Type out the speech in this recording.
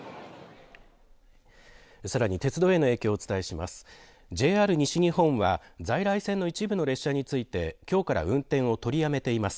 さらに鉄道への影響をお伝えします。